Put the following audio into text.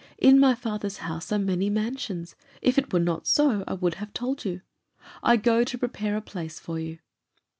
In my Father's house are many mansions: if it were not so, I would have told you. I go to prepare a place for you."